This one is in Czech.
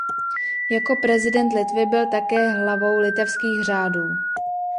Jako prezident Litvy byl také hlavou litevských řádů.